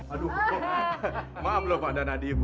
aduh maaf lho pak dan adik ibu